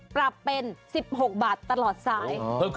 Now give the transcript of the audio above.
ปรับเป็น๑๖บาทตลอดสาย